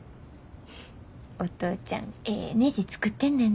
お父ちゃんええねじ作ってんねんな。